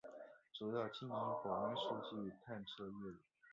主要经营保安数据探测业务。